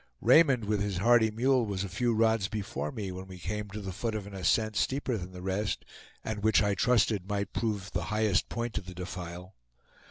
Raymond, with his hardy mule, was a few rods before me, when we came to the foot of an ascent steeper than the rest, and which I trusted might prove the highest point of the defile.